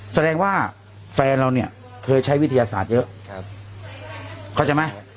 แสดงว่าแฟนเราเนี่ยเคยใช้วิทยาศาสตร์เยอะเข้าใจไหม